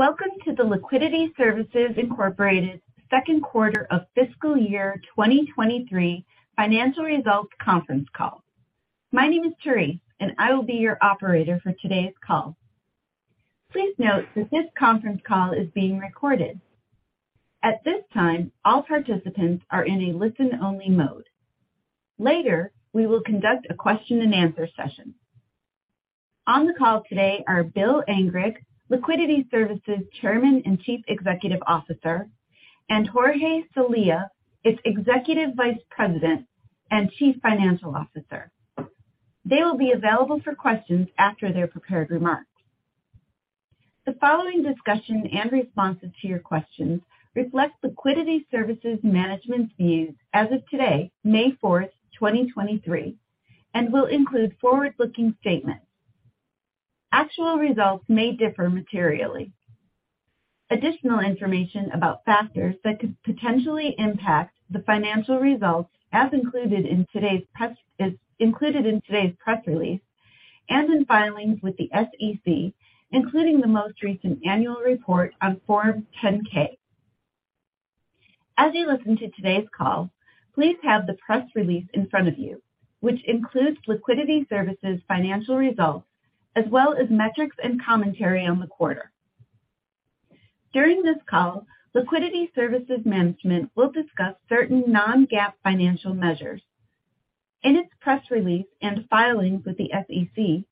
Welcome to the Liquidity Services, Inc. second quarter of fiscal year 2023 financial results conference call. My name is Therese, and I will be your operator for today's call. Please note that this conference call is being recorded. At this time, all participants are in a listen-only mode. Later, we will conduct a question-and-answer session. On the call today are Bill Angrick, Liquidity Services Chairman and Chief Executive Officer, and Jorge Celaya, its Executive Vice President and Chief Financial Officer. They will be available for questions after their prepared remarks. The following discussion and responses to your questions reflect Liquidity Services management's views as of today, May 4th, 2023, and will include forward-looking statements. Actual results may differ materially. Additional information about factors that could potentially impact the financial results is included in today's press release and in filings with the SEC, including the most recent annual report on Form 10-K. As you listen to today's call, please have the press release in front of you, which includes Liquidity Services financial results, as well as metrics and commentary on the quarter. During this call, Liquidity Services management will discuss certain non-GAAP financial measures. In its press release and filings with the SEC,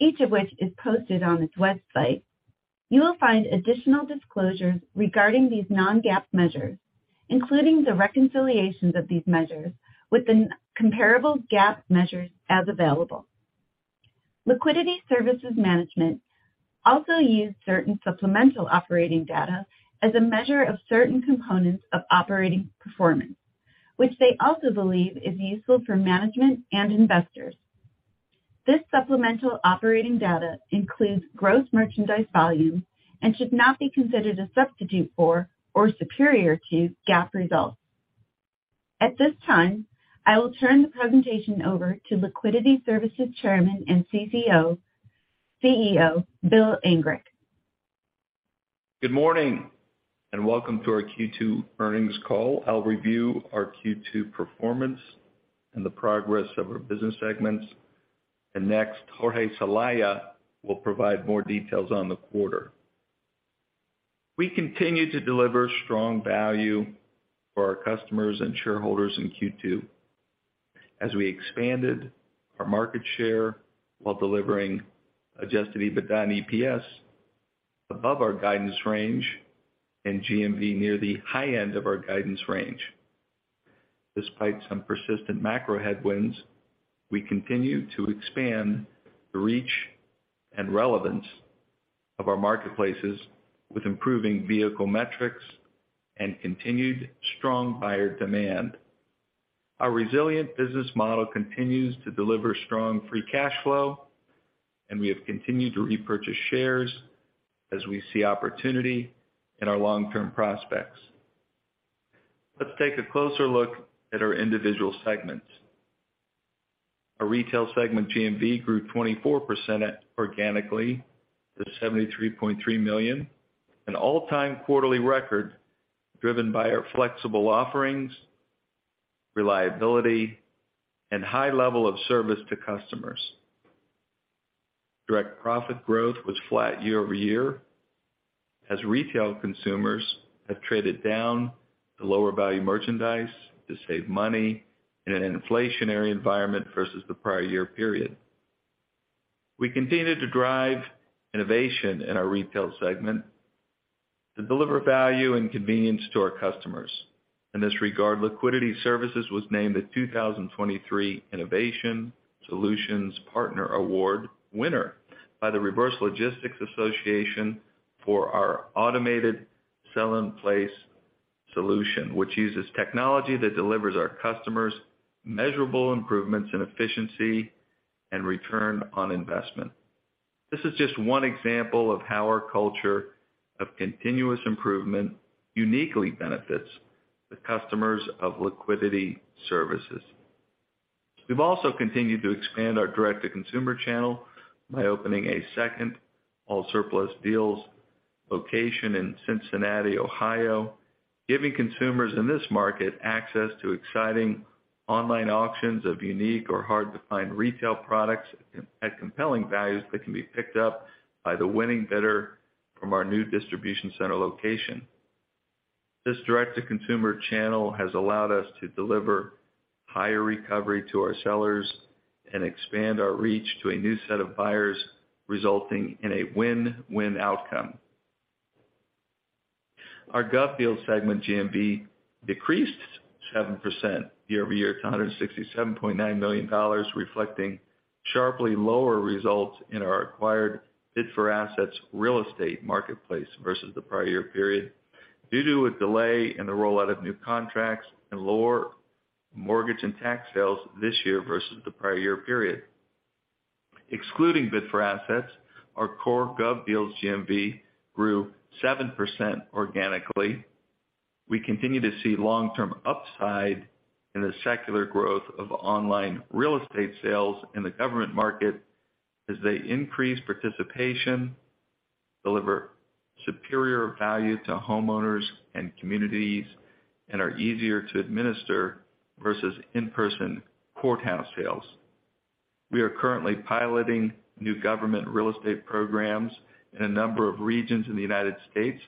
each of which is posted on its website, you will find additional disclosures regarding these non-GAAP measures, including the reconciliations of these measures with the comparable GAAP measures as available. Liquidity Services management also use certain supplemental operating data as a measure of certain components of operating performance, which they also believe is useful for management and investors. This supplemental operating data includes Gross Merchandise Volume and should not be considered a substitute for or superior to GAAP results. At this time, I will turn the presentation over to Liquidity Services Chairman and CEO, Bill Angrick. Good morning and welcome to our Q2 earnings call. I'll review our Q2 performance and the progress of our business segments. Next, Jorge Celaya will provide more details on the quarter. We continued to deliver strong value for our customers and shareholders in Q2 as we expanded our market share while delivering Adjusted EBITDA and EPS above our guidance range and GMV near the high end of our guidance range. Despite some persistent macro headwinds, we continue to expand the reach and relevance of our marketplaces with improving vehicle metrics and continued strong buyer demand. Our resilient business model continues to deliver strong free cash flow, and we have continued to repurchase shares as we see opportunity in our long-term prospects. Let's take a closer look at our individual segments. Our retail segment GMV grew 24% organically to $73.3 million, an all-time quarterly record driven by our flexible offerings, reliability, and high level of service to customers. Direct profit growth was flat year-over-year as retail consumers have traded down to lower value merchandise to save money in an inflationary environment versus the prior year period. We continued to drive innovation in our retail segment to deliver value and convenience to our customers. In this regard, Liquidity Services was named the 2023 Innovation Solutions Partner Award winner by the Reverse Logistics Association for our automated sell and place solution, which uses technology that delivers our customers measurable improvements in efficiency and return on investment. This is just one example of how our culture of continuous improvement uniquely benefits the customers of Liquidity Services. We've also continued to expand our direct-to-consumer channel by opening a second AllSurplus Deals location in Cincinnati, Ohio, giving consumers in this market access to exciting online auctions of unique or hard-to-find retail products at compelling values that can be picked up by the winning bidder from our new distribution center location. This direct-to-consumer channel has allowed us to deliver higher recovery to our sellers and expand our reach to a new set of buyers, resulting in a win-win outcome. Our GovDeals segment GMV decreased 7% year-over-year to $167.9 million, reflecting sharply lower results in our acquired Bid4Assets real estate marketplace versus the prior year period due to a delay in the rollout of new contracts and lower mortgage and tax sales this year versus the prior year period. Excluding Bid4Assets, our core GovDeals GMV grew 7% organically. We continue to see long-term upside in the secular growth of online real estate sales in the government market as they increase participation, deliver superior value to homeowners and communities, and are easier to administer versus in-person courthouse sales. We are currently piloting new government real estate programs in a number of regions in the United States,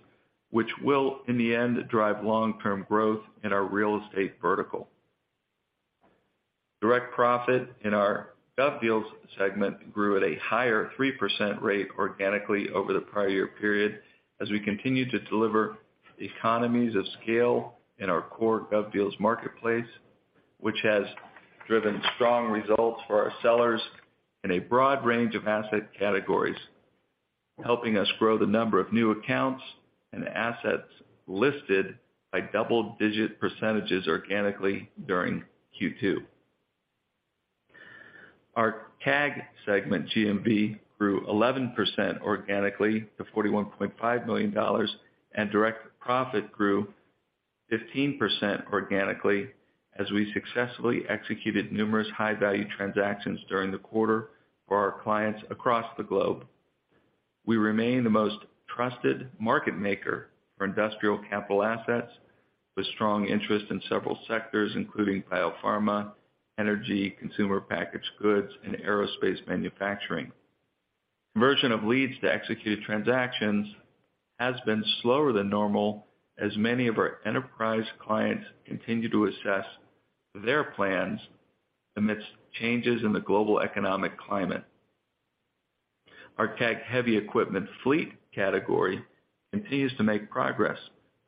which will, in the end, drive long-term growth in our real estate vertical. Direct profit in our GovDeals segment grew at a higher 3% rate organically over the prior year period as we continue to deliver economies of scale in our core GovDeals marketplace, which has driven strong results for our sellers in a broad range of asset categories, helping us grow the number of new accounts and assets listed by double-digit % organically during Q2. Our CAG segment GMV grew 11% organically to $41.5 million, and direct profit grew 15% organically as we successfully executed numerous high-value transactions during the quarter for our clients across the globe. We remain the most trusted market maker for industrial capital assets, with strong interest in several sectors, including biopharma, energy, consumer packaged goods, and aerospace manufacturing. Conversion of leads to executed transactions has been slower than normal, as many of our enterprise clients continue to assess their plans amidst changes in the global economic climate. Our CAG heavy equipment fleet category continues to make progress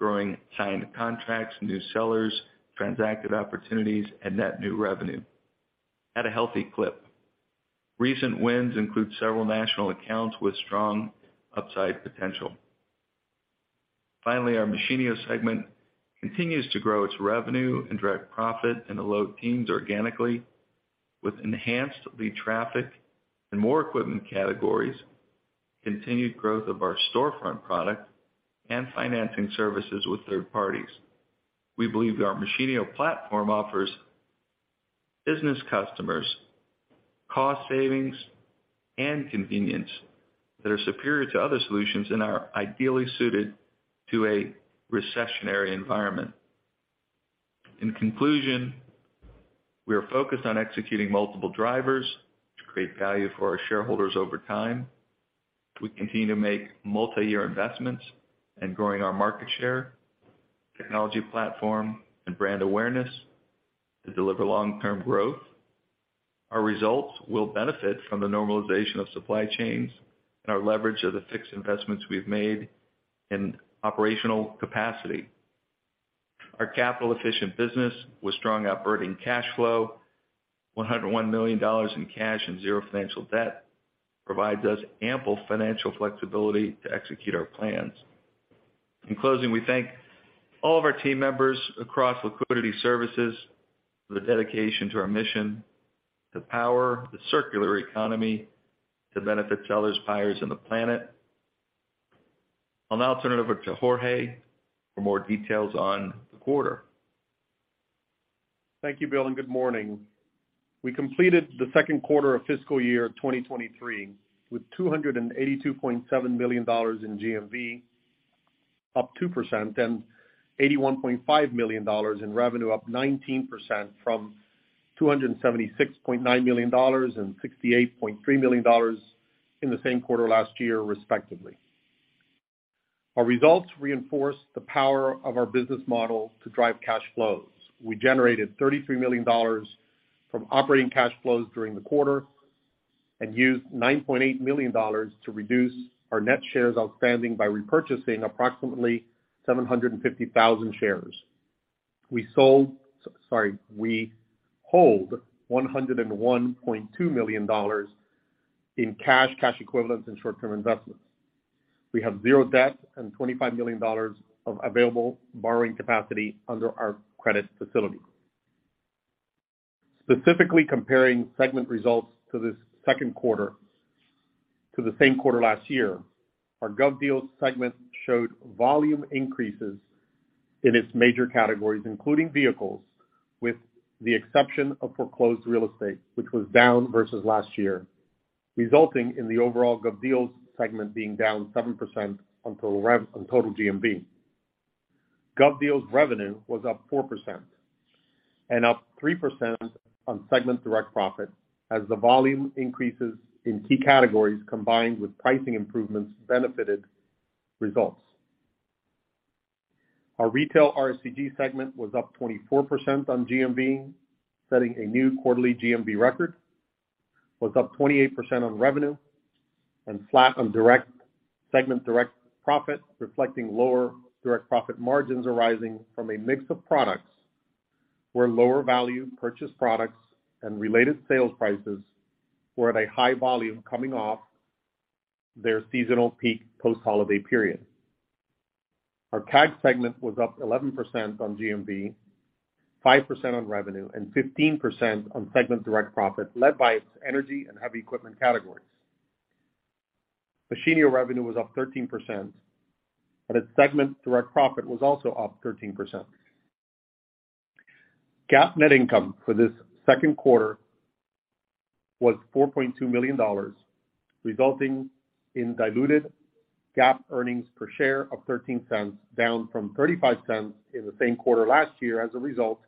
growing signed contracts, new sellers, transacted opportunities, and net new revenue at a healthy clip. Recent wins include several national accounts with strong upside potential. Our Machinio segment continues to grow its revenue and direct profit in the low teens organically, with enhanced lead traffic and more equipment categories, continued growth of our storefront product, and financing services with third parties. We believe our Machinio platform offers business customers cost savings and convenience that are superior to other solutions and are ideally suited to a recessionary environment. In conclusion, we are focused on executing multiple drivers to create value for our shareholders over time. We continue to make multiyear investments in growing our market share, technology platform, and brand awareness to deliver long-term growth. Our results will benefit from the normalization of supply chains and our leverage of the fixed investments we've made in operational capacity. Our capital-efficient business with strong operating cash flow, $101 million in cash and zero financial debt, provides us ample financial flexibility to execute our plans. In closing, we thank all of our team members across Liquidity Services for their dedication to our mission to power the circular economy to benefit sellers, buyers, and the planet. I'll now turn it over to Jorge for more details on the quarter. Thank you, Bill. Good morning. We completed the second quarter of fiscal year 2023 with $282.7 million in GMV, up 2%, and $81.5 million in revenue, up 19% from $276.9 million and $68.3 million in the same quarter last year, respectively. Our results reinforce the power of our business model to drive cash flows. We generated $33 million from operating cash flows during the quarter and used $9.8 million to reduce our net shares outstanding by repurchasing approximately 750,000 shares. We hold $101.2 million in cash equivalents, and short-term investments. We have zero debt and $25 million of available borrowing capacity under our credit facility. Specifically comparing segment results to this second quarter to the same quarter last year, our GovDeals segment showed volume increases in its major categories, including vehicles, with the exception of foreclosed real estate, which was down versus last year, resulting in the overall GovDeals segment being down 7% on total GMV. GovDeals revenue was up 4% and up 3% on segment direct profit as the volume increases in key categories combined with pricing improvements benefited results. Our retail RSG segment was up 24% on GMV, setting a new quarterly GMV record, was up 28% on revenue and flat on segment direct profit, reflecting lower direct profit margins arising from a mix of products where lower value purchased products and related sales prices were at a high volume coming off their seasonal peak post-holiday period. Our CAG segment was up 11% on GMV, 5% on revenue, and 15% on Segment direct profit, led by its energy and heavy equipment categories. Machinio revenue was up 13%, its Segment direct profit was also up 13%. GAAP net income for this second quarter was $4.2 million, resulting in diluted GAAP earnings per share of $0.13, down from $0.35 in the same quarter last year as a result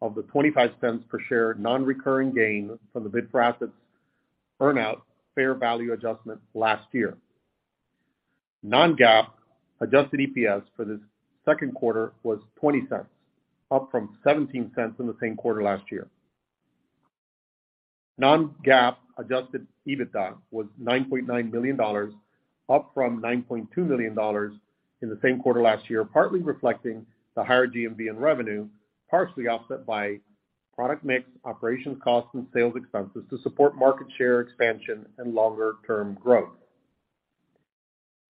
of the $0.25 per share non-recurring gain from the Bid4Assets earn out fair value adjustment last year. Non-GAAP adjusted EPS for this second quarter was $0.20, up from $0.17 in the same quarter last year. Non-GAAP Adjusted EBITDA was $9.9 million, up from $9.2 million in the same quarter last year, partly reflecting the higher GMV and revenue, partially offset by product mix, operations costs, and sales expenses to support market share expansion and longer-term growth.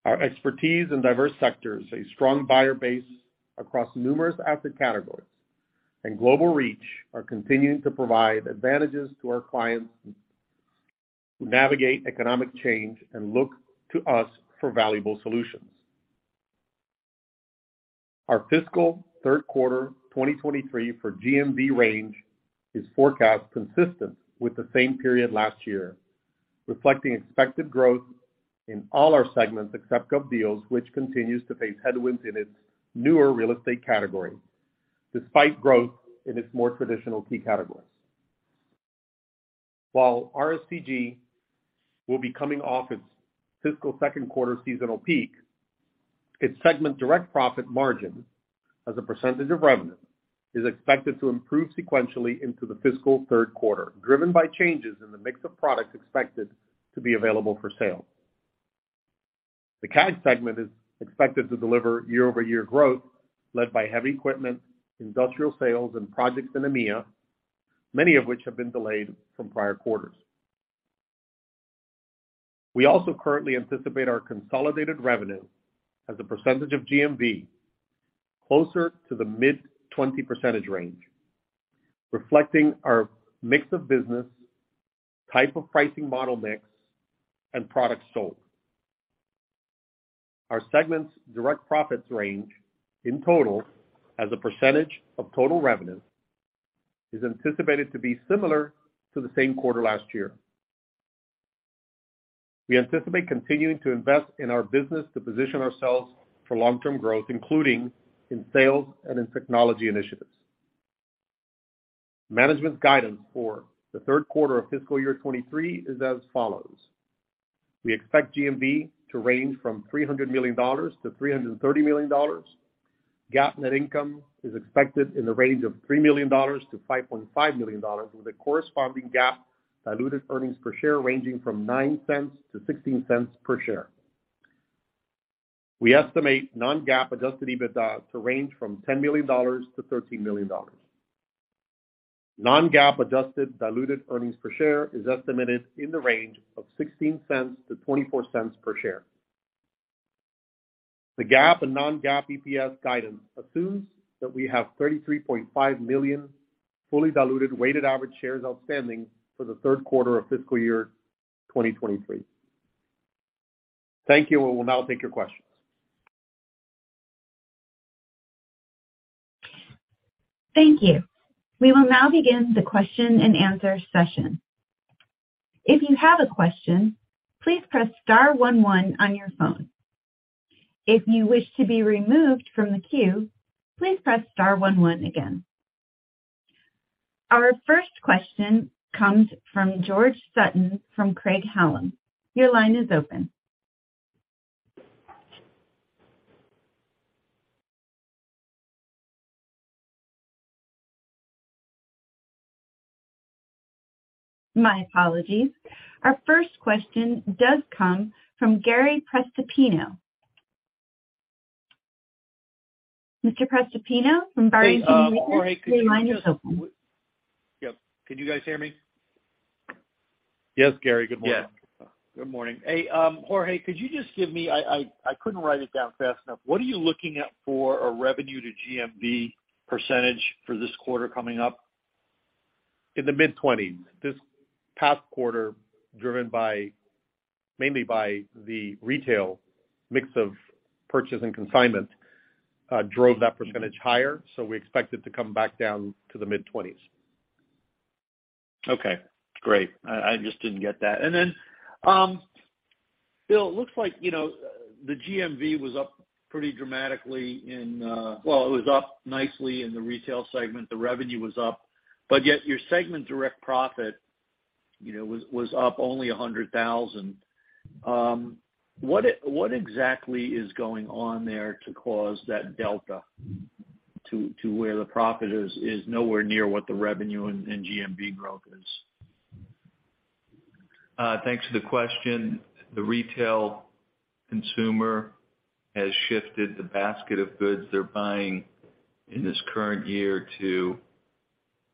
Our expertise in diverse sectors, a strong buyer base across numerous asset categories, and global reach are continuing to provide advantages to our clients who navigate economic change and look to us for valuable solutions. Our fiscal third quarter 2023 for GMV range is forecast consistent with the same period last year, reflecting expected growth in all our segments except GovDeals, which continues to face headwinds in its newer real estate category despite growth in its more traditional key categories. RSG will be coming off its fiscal second quarter seasonal peak, its segment direct profit margin as a percentage of revenue is expected to improve sequentially into the fiscal third quarter, driven by changes in the mix of products expected to be available for sale. The CAG segment is expected to deliver year-over-year growth led by heavy equipment, industrial sales, and projects in EMEA, many of which have been delayed from prior quarters. We also currently anticipate our consolidated revenue as a % of GMV closer to the mid-20% range, reflecting our mix of business, type of pricing model mix, and products sold. Our segment's direct profits range in total as a % of total revenue is anticipated to be similar to the same quarter last year. We anticipate continuing to invest in our business to position ourselves for long-term growth, including in sales and in technology initiatives. Management's guidance for the third quarter of fiscal year 2023 is as follows. We expect GMV to range from $300 million-$330 million. GAAP net income is expected in the range of $3 million-$5.5 million, with a corresponding GAAP diluted earnings per share ranging from $0.09-$0.16 per share. We estimate non-GAAP Adjusted EBITDA to range from $10 million-$13 million. Non-GAAP adjusted diluted earnings per share is estimated in the range of $0.16-$0.24 per share. The GAAP and non-GAAP EPS guidance assumes that we have 33.5 million fully diluted weighted average shares outstanding for the third quarter of fiscal year 2023. Thank you. We'll now take your questions. Thank you. We will now begin the question-and-answer session. If you have a question, please press star one one on your phone. If you wish to be removed from the queue, please press star one one again. Our first question comes from George Sutton from Craig-Hallum. Your line is open. My apologies. Our first question does come from Gary Prestopino. Mr. Prestopino from Barrington Research. Hey, Jorge, could you? Your line is open. Yep. Can you guys hear me? Yes, Gary. Good morning. Good morning. Hey, Jorge, I couldn't write it down fast enough. What are you looking at for a revenue to GMV percentage for this quarter coming up? In the mid-20s. This past quarter, driven by, mainly by the retail mix of purchase and consignment, drove that percentage higher. We expect it to come back down to the mid-20s. Okay, great. I just didn't get that. Bill, it looks like, you know, the GMV was up pretty dramatically in... Well, it was up nicely in the retail segment. The revenue was up, but yet your segment direct profit, you know, was up only $100,000. What exactly is going on there to cause that delta to where the profit is nowhere near what the revenue and GMV growth is? Thanks for the question. The retail consumer has shifted the basket of goods they're buying in this current year to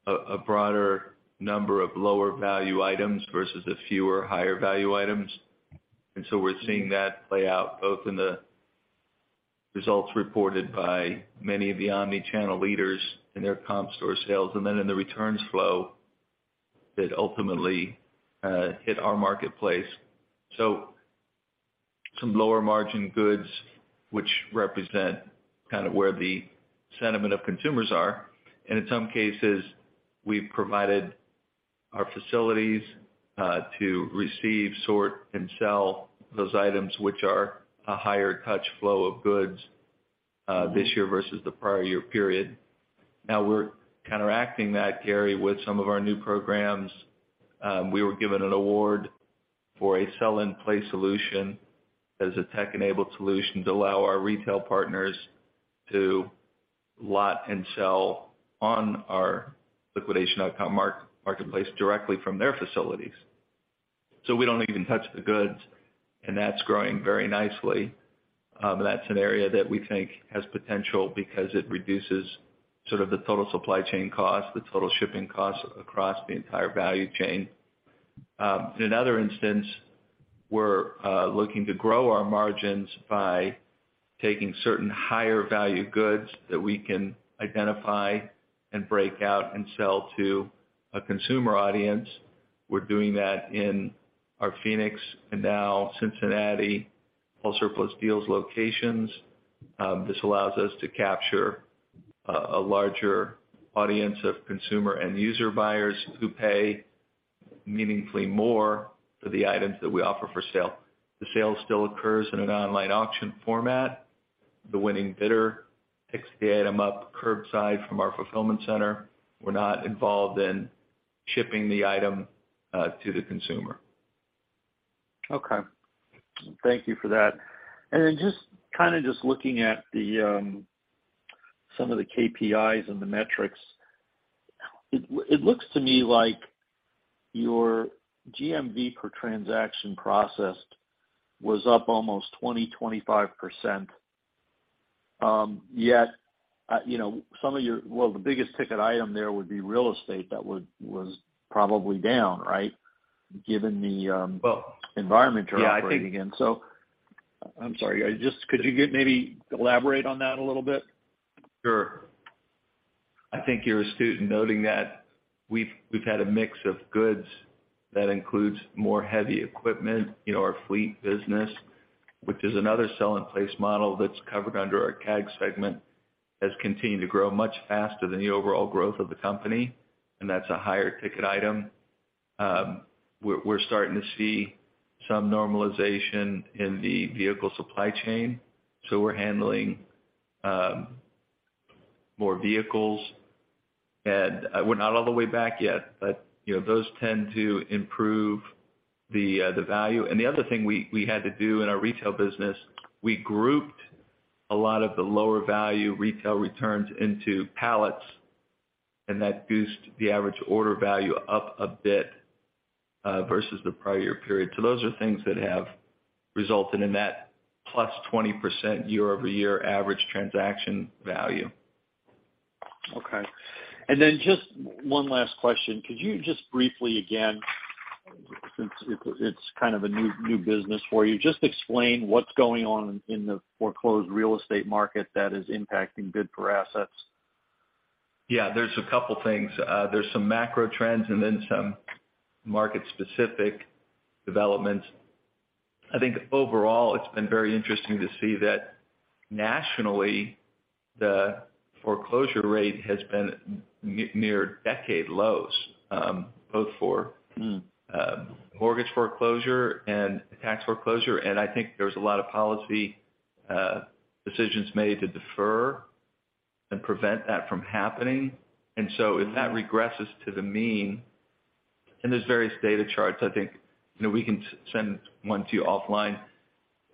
a broader number of lower value items versus the fewer higher value items. We're seeing that play out both in the results reported by many of the omni-channel leaders in their comp store sales and then in the returns flow that ultimately hit our marketplace. Some lower margin goods which represent kind of where the sentiment of consumers are, and in some cases, we've provided our facilities to receive, sort, and sell those items, which are a higher touch flow of goods this year versus the prior year period. We're counteracting that, Gary, with some of our new programs. We were given an award for a sell and play solution as a tech-enabled solution to allow our retail partners to lot and sell on our Liquidation.com marketplace directly from their facilities. We don't even touch the goods, and that's growing very nicely. That's an area that we think has potential because it reduces sort of the total supply chain cost, the total shipping costs across the entire value chain. In other instance, we're looking to grow our margins by taking certain higher value goods that we can identify and break out and sell to a consumer audience. We're doing that in our Phoenix and now Cincinnati AllSurplus Deals locations. This allows us to capture a larger audience of consumer end user buyers who pay meaningfully more for the items that we offer for sale. The sale still occurs in an online auction format. The winning bidder picks the item up curbside from our fulfillment center. We're not involved in shipping the item to the consumer. Okay. Thank you for that. Then just, kind of just looking at the, some of the KPIs and the metrics, it looks to me like your GMV per transaction processed was up almost 25%. Yet, you know, some of your... Well, the biggest ticket item there would be real estate that was probably down, right? Given the environment you're operating in. Well, yeah. I'm sorry, Could you get maybe elaborate on that a little bit? Sure. I think you're astute in noting that we've had a mix of goods that includes more heavy equipment in our fleet business, which is another sell in place model that's covered under our CAG segment, has continued to grow much faster than the overall growth of the company, and that's a higher ticket item. We're starting to see some normalization in the vehicle supply chain, so we're handling more vehicles and we're not all the way back yet, but, you know, those tend to improve the value. The other thing we had to do in our retail business, we grouped a lot of the lower value retail returns into pallets, and that boosted the average order value up a bit versus the prior year period. Those are things that have resulted in that +20% year-over-year average transaction value. Just one last question. Could you just briefly, again, since it's kind of a new business for you, just explain what's going on in the foreclosed real estate market that is impacting Bid4Assets? Yeah. There's a couple things. There's some macro trends and then some market specific developments. I think overall it's been very interesting to see that nationally, the foreclosure rate has been near decade lows, both for mortgage foreclosure and tax foreclosure. I think there's a lot of policy decisions made to defer and prevent that from happening. If that regresses to the mean, and there's various data charts, I think, you know, we can send one to you offline.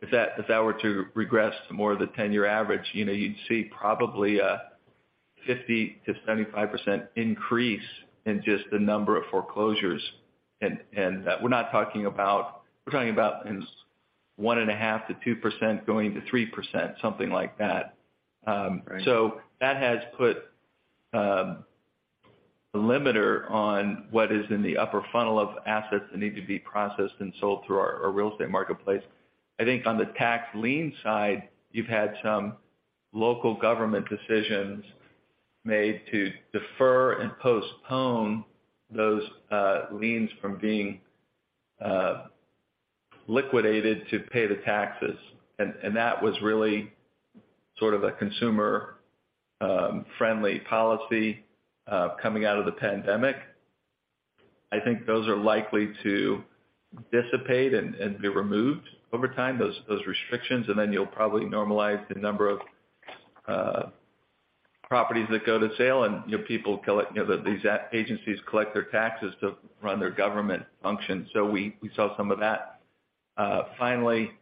If that were to regress to more of the 10-year average, you know, you'd see probably a 50%-75% increase in just the number of foreclosures. We're talking about in 1.5%-2% going to 3%, something like that. That has put a limiter on what is in the upper funnel of assets that need to be processed and sold through our real estate marketplace. I think on the tax lien side, you've had some local government decisions made to defer and postpone those liens from being liquidated to pay the taxes. That was really sort of a consumer friendly policy coming out of the pandemic. I think those are likely to dissipate and be removed over time, those restrictions, and then you'll probably normalize the number of properties that go to sale and, you know, people collect, you know, these agencies collect their taxes to run their government functions. We saw some of that. Finally,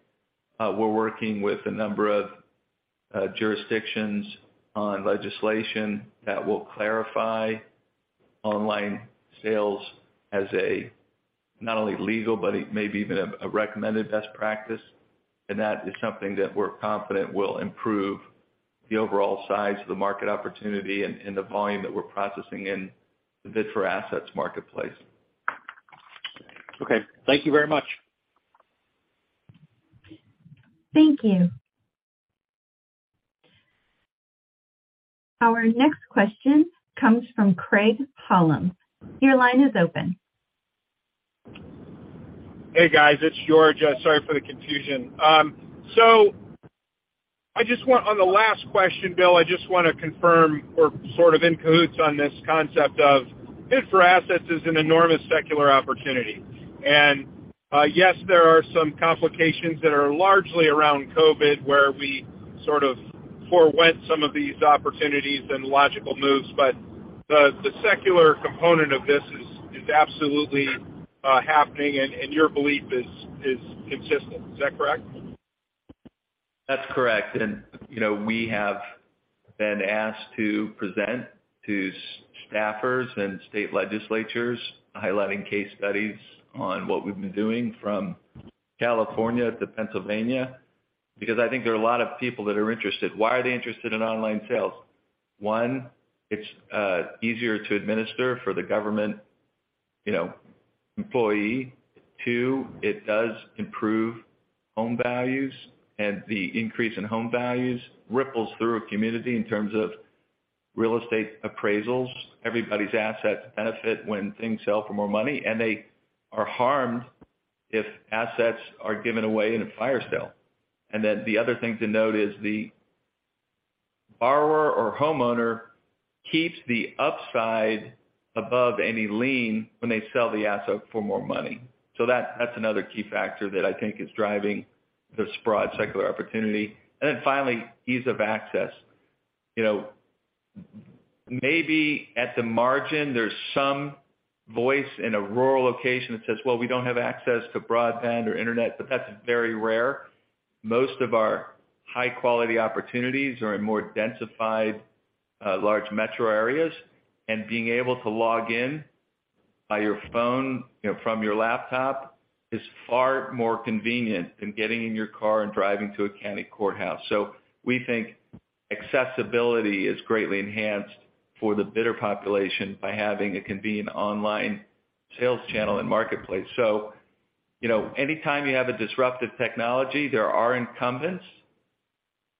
we're working with a number of jurisdictions on legislation that will clarify online sales as a not only legal, but it may be even a recommended best practice. That is something that we're confident will improve the overall size of the market opportunity and the volume that we're processing in the Bid4Assets marketplace. Okay. Thank you very much. Thank you. Our next question comes from Craig-Hallum. Your line is open. Hey, guys, it's George. Sorry for the confusion. On the last question, Bill, I just wanna confirm or sort of in cahoots on this concept of Bid4Assets is an enormous secular opportunity. yes, there are some complications that are largely around COVID, where we sort of forewent some of these opportunities and logical moves, the secular component of this is absolutely happening, and your belief is consistent. Is that correct? That's correct. You know, we have been asked to present to staffers and state legislatures, highlighting case studies on what we've been doing from California to Pennsylvania, because I think there are a lot of people that are interested. Why are they interested in online sales? One, it's easier to administer for the government, you know, employee. Two, it does improve home values, and the increase in home values ripples through a community in terms of real estate appraisals. Everybody's assets benefit when things sell for more money, and they are harmed if assets are given away in a fire sale. The other thing to note is the borrower or homeowner keeps the upside above any lien when they sell the asset for more money. That's another key factor that I think is driving this broad secular opportunity. Finally, ease of access. You know, maybe at the margin, there's some voice in a rural location that says, "Well, we don't have access to broadband or internet," but that's very rare. Most of our high-quality opportunities are in more densified, large metro areas. Being able to log in by your phone, you know, from your laptop is far more convenient than getting in your car and driving to a county courthouse. We think accessibility is greatly enhanced for the bidder population by having a convenient online sales channel and marketplace. You know, anytime you have a disruptive technology, there are incumbents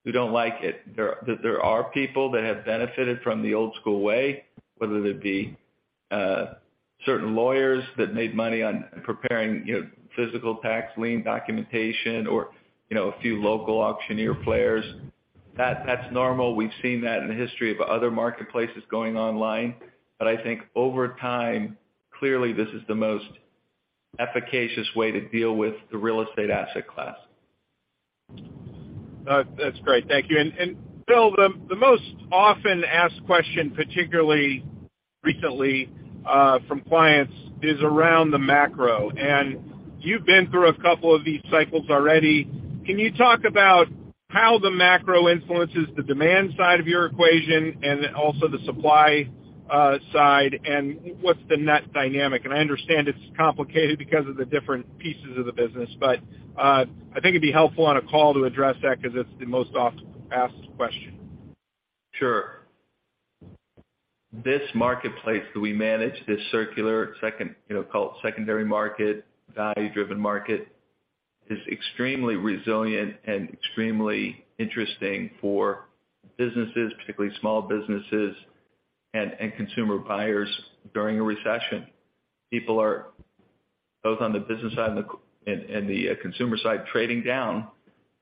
who don't like it. There are people that have benefited from the old school way, whether it be certain lawyers that made money on preparing, you know, physical tax lien documentation or, you know, a few local auctioneer players. That's normal. We've seen that in the history of other marketplaces going online. I think over time, clearly this is the most efficacious way to deal with the real estate asset class. That's great. Thank you. Bill, the most often asked question, particularly recently, from clients, is around the macro. You've been through a couple of these cycles already. Can you talk about how the macro influences the demand side of your equation and then also the supply side and what's the net dynamic? I understand it's complicated because of the different pieces of the business, but I think it'd be helpful on a call to address that because it's the most often asked question. Sure. This marketplace that we manage, this circular second, call it secondary market, value-driven market, is extremely resilient and extremely interesting for businesses, particularly small businesses and consumer buyers during a recession. People are, both on the business side and the consumer side, trading down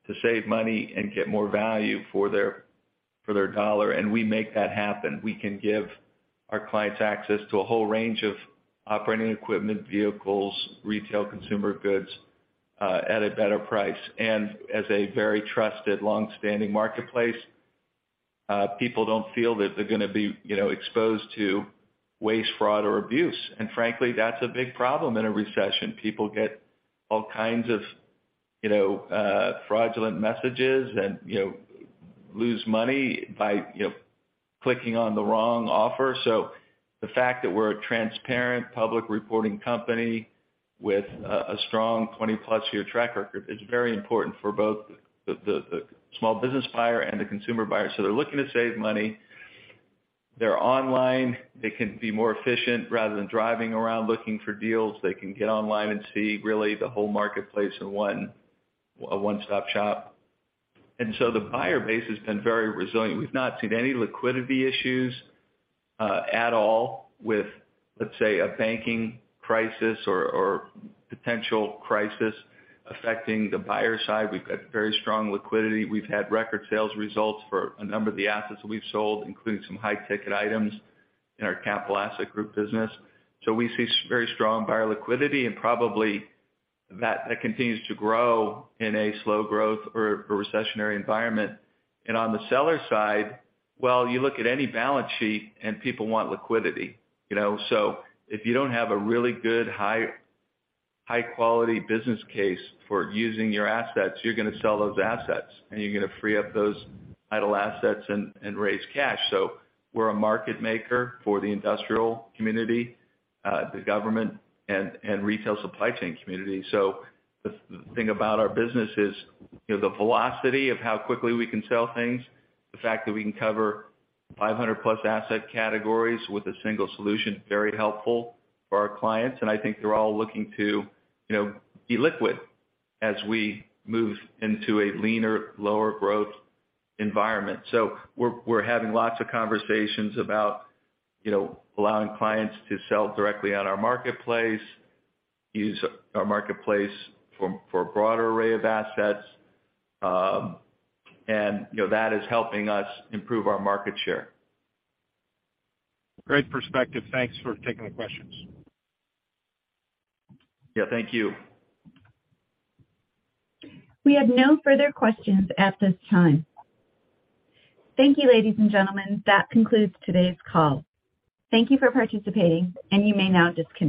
to save money and get more value for their dollar, and we make that happen. We can give our clients access to a whole range of operating equipment, vehicles, retail consumer goods at a better price. As a very trusted, long-standing marketplace, people don't feel that they're gonna be exposed to waste, fraud, or abuse. Frankly, that's a big problem in a recession. People get all kinds of fraudulent messages and lose money by clicking on the wrong offer. The fact that we're a transparent public reporting company with a strong 20-plus year track record is very important for both the small business buyer and the consumer buyer. They're looking to save money. They're online. They can be more efficient. Rather than driving around looking for deals, they can get online and see really the whole marketplace in a one-stop shop. The buyer base has been very resilient. We've not seen any liquidity issues at all with, let's say, a banking crisis or potential crisis affecting the buyer side. We've got very strong liquidity. We've had record sales results for a number of the assets that we've sold, including some high ticket items in our Capital Assets Group business. We see very strong buyer liquidity and probably that continues to grow in a slow growth or recessionary environment. On the seller side, well, you look at any balance sheet and people want liquidity, you know. If you don't have a really good, high-quality business case for using your assets, you're gonna sell those assets, and you're gonna free up those idle assets and raise cash. We're a market maker for the industrial community, the government and retail supply chain community. The thing about our business is, you know, the velocity of how quickly we can sell things, the fact that we can cover 500 plus asset categories with a single solution, very helpful for our clients. I think they're all looking to, you know, be liquid as we move into a leaner, lower growth environment. We're having lots of conversations about, you know, allowing clients to sell directly on our marketplace, use our marketplace for a broader array of assets, and, you know, that is helping us improve our market share. Great perspective. Thanks for taking the questions. Yeah, thank you. We have no further questions at this time. Thank you, ladies and gentlemen. That concludes today's call. Thank you for participating, and you may now disconnect.